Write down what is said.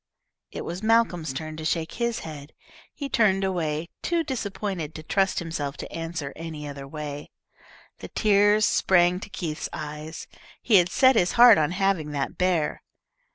It was Malcolm's turn to shake his head. He turned away, too disappointed to trust himself to answer any other way. The tears sprang to Keith's eyes. He had set his heart on having that bear.